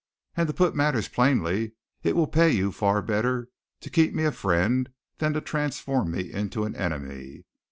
And to put matters plainly, it will pay you far better to keep me a friend than to transform me into an enemy.